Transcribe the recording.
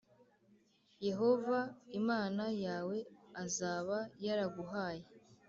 Yehova Imana yawe azaba yaraguhaye.